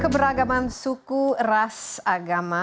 keberagaman suku ras agama